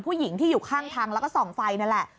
ผู้หญิงที่อยู่ข้างทางแล้วก็ส่องไฟนั่นแหละ